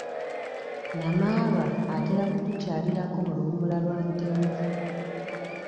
Namaalwa atera kutukyalirako mu luwummula lwa Ntenvu.